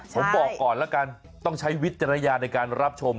ผมบอกก่อนแล้วกันต้องใช้วิจารณญาณในการรับชม